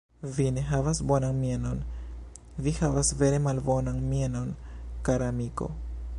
Vi ne havas bonan mienon; vi havas vere malbonan mienon, kara amiko.